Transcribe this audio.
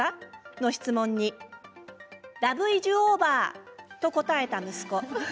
の質問に「ラヴ・イズ・オーヴァー」と答えた息子。